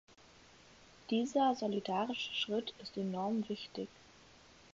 Dieser solidarische Schritt ist enorm wichtig.